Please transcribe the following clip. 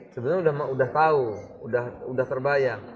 sebenarnya sudah tahu udah terbayang